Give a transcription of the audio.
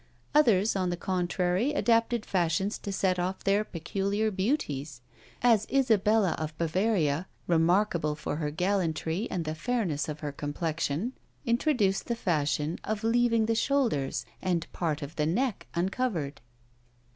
Others, on the contrary, adapted fashions to set off their peculiar beauties: as Isabella of Bavaria, remarkable for her gallantry, and the fairness of her complexion, introduced the fashion of leaving the shoulders and part of the neck uncovered.